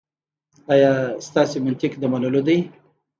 ایا ستاسو منطق د منلو دی؟